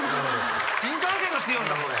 新幹線が強いんか？